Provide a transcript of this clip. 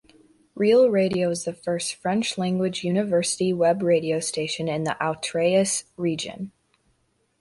Réél-Radio is the first French-language university Web radio station in the Outaouais region.